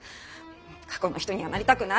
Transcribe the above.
過去の人にはなりたくない！